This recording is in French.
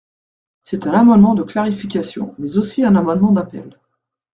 C’est un amendement de clarification, mais aussi un amendement d’appel.